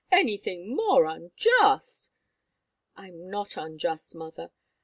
Anything more unjust!" "I'm not unjust, mother.